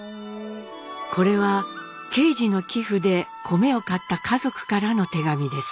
これは敬次の寄付で米を買った家族からの手紙です。